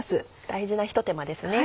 大事なひと手間ですね。